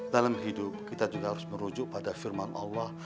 dalam hidup kita juga harus merujuk pada firman allah